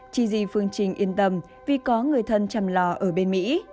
chi di phương trình yên tâm vì có người thân chăm lo ở bên mỹ